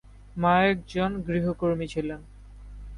মা একজন গৃহকর্মী ছিলেন।